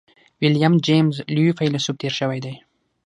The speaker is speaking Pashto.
ويليم جېمز لوی فيلسوف تېر شوی دی.